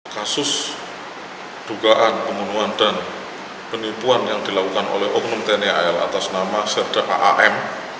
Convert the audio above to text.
kasus dugaan pembunuhan dan penipuan yang dilakukan oleh oknum tni al atas nama serdak am